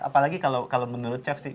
apalagi kalau menurut chef sih